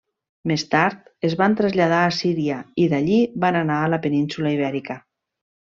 Més tard es van traslladar a Síria i d'allí van anar a la península Ibèrica.